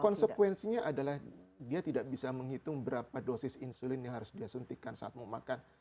konsekuensinya adalah dia tidak bisa menghitung berapa dosis insulin yang harus dia suntikan saat mau makan